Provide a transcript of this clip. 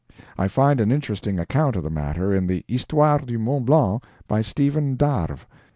I find an interesting account of the matter in the HISTOIRE DU MONT BLANC, by Stephen d'Arve.